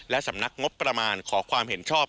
และสำนักงบประมาณขอความเห็นชอบ